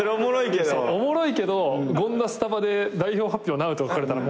おもろいけど「権田スタバで代表発表なう」とか書かれたらもうさ。